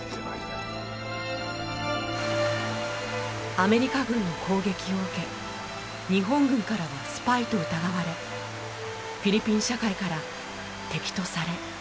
アメリカ軍の攻撃を受け日本軍からはスパイと疑われフィリピン社会から敵とされ。